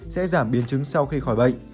sẽ giảm biến chứng sau khi khỏi bệnh